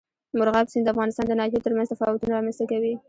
مورغاب سیند د افغانستان د ناحیو ترمنځ تفاوتونه رامنځ ته کوي.